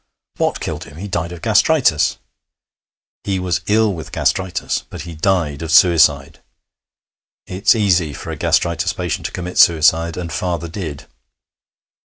'What killed him? He died of gastritis.' 'He was ill with gastritis, but he died of suicide. It's easy for a gastritis patient to commit suicide. And father did.'